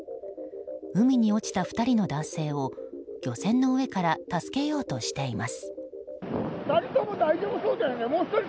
海に落ちた２人の男性を漁船の上から助けようとしています。